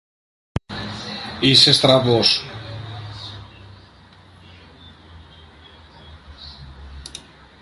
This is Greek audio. Είσαι στραβός!